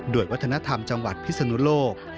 โดยวัฒนธรรมจังหวัดพิศนุโลก